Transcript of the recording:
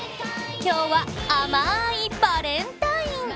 今日は甘いバレンタイン。